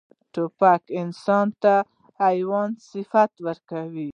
توپک انسان ته حیواني صفات ورکوي.